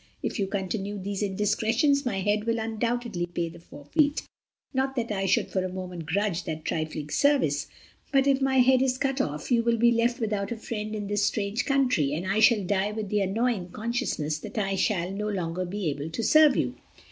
If you continue these indiscretions my head will undoubtedly pay the forfeit. Not that I should for a moment grudge that trifling service, but if my head is cut off you will be left without a friend in this strange country, and I shall die with the annoying consciousness that I shall no longer be able to serve you."